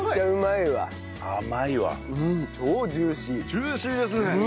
ジューシーですね！